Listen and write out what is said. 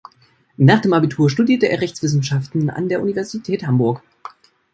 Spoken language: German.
Nach dem Abitur studierte er Rechtswissenschaften an der Universität Hamburg.